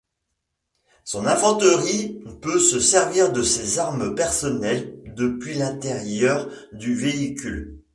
Son infanterie peut se servir de ses armes personnelles depuis l'intérieur du véhicule.